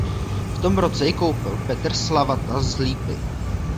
V tom roce ji koupil Petr Slavata z Lípy.